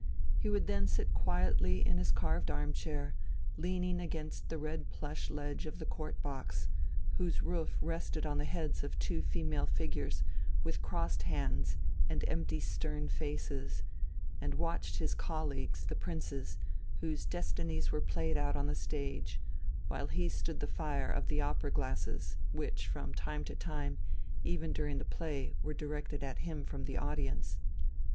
He would then sit quietly in his carved arm chair, leaning against the red plush ledge of the Court box, whose roof rested on the heads of two female figures with crossed hands and empty stern faces, and watched his colleagues, the princes, whose destinies were played out on the stage, while he stood the fire of the opera glasses which from time to time, even during the play, were directed at him from the audience.